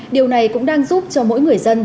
điều này cũng đang giúp cho mỗi người dân